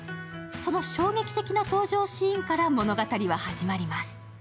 その衝撃的な登場シーンから物語は始まります。